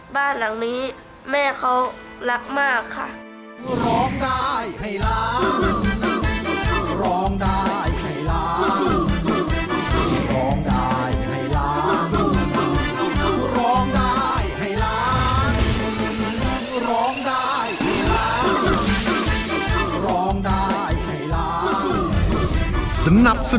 บ้านหลังนี้แม่เขารักมากค่ะ